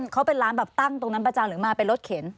เขาเป็นร้านแบบตั้งตรงนั้นประจำหรือมาเป็นรถเข็น